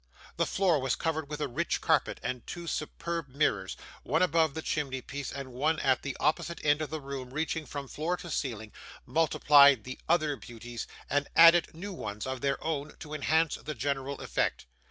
The floor was covered with a rich carpet; and two superb mirrors, one above the chimneypiece and one at the opposite end of the room reaching from floor to ceiling, multiplied the other beauties and added new ones of their own to enhance the general effect.